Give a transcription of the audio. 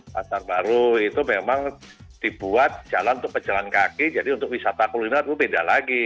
pasar baru itu memang dibuat jalan untuk pejalan kaki jadi untuk wisata kuliner itu beda lagi